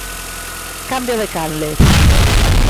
Cambio de canle.